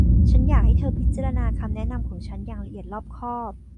ฉันอยากให้เธอพิจารณาคำแนะนำของฉันอย่างละเอียดรอบคอบ